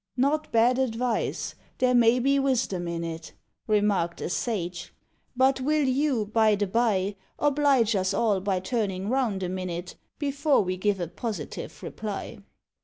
"Not bad advice: there may be wisdom in it," Remarked a sage, "but will you, by the by, Oblige us all by turning round a minute, Before we give a positive reply?"